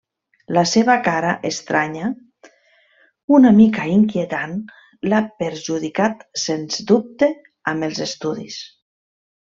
La seva cara estranya, una mica inquietant, l'ha perjudicat sens dubte amb els estudis.